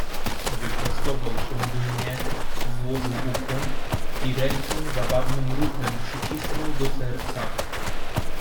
"Wyprostował się dumnie, złożył ukłon i rękę zabawnym ruchem przycisnął do serca."